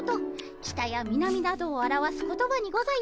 北や南などを表す言葉にございます。